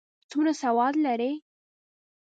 څومره سواد لري؟